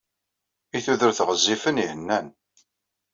I tudert ɣezzifen, ihennan.